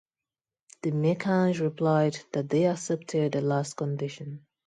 The Meccans replied that they accepted the last condition.